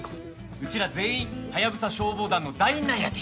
うちら全員ハヤブサ消防団の団員なんやて。